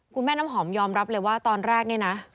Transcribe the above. คุณแม่น้ำหอมยอมรับเลยว่าตอนแรกนี่นะ